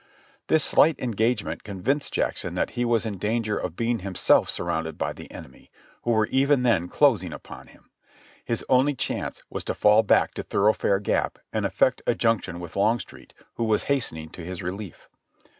This slight engagement convinced Jackson that he was in dan ger of being himself surrounded by the enemy, who were even then closing upon him. His only chance was to fall back to Thoroughfare Gap and effect a junction with Longstreet, who was hastening to his relief.